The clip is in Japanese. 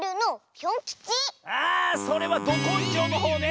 あそれはどこんじょうのほうね！